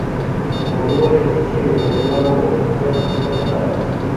বটু বললে, ছী ছী অতীনবাবু, বক্তৃতার ভ্রূণহত্যা?